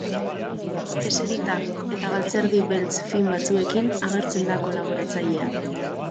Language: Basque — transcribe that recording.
Eserita eta galtzerdi beltz fin batzuekin agertzen da kolaboratzailea.